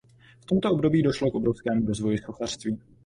V tomto období došlo k obrovskému rozvoji sochařství.